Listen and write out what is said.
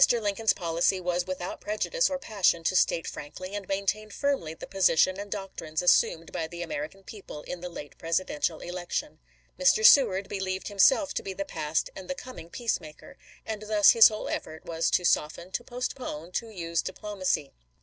Lincoln's policy was without prejudice or passion to state frankly and maintain firmly the position and doctrines assumed by the American people in the late Presidential election. Mr. Seward believed himself to be the past and the coming peacemaker ; and thus his whole effort was to soften, to postpone, to use diplomacy.